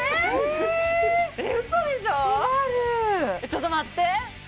ちょっと待って！